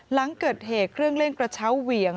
หลังเกิดเหตุเครื่องเล่นกระเช้าเหวี่ยง